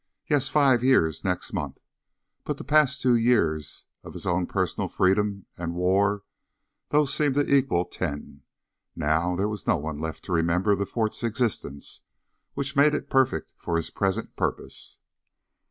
Yes, five years next month! But the past two years of his own personal freedom and war those seemed to equal ten. Now there was no one left to remember the fort's existence, which made it perfect for his present purpose.